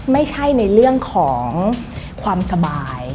ไม่ใช่ในเรื่องของความสบาย